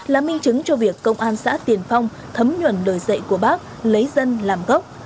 là minh chứng cho việc công an xã tiền phong thấm nhuần đời dậy của bác lấy dân làm gốc